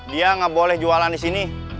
dia nggak boleh jualan di sini